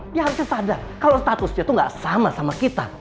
dia harusnya sadar kalau statusnya itu nggak sama sama kita